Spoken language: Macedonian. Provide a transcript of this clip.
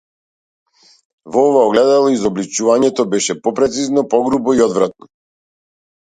Во ова огледало изобличувањето беше попрецизно, погрубо, и одвратно.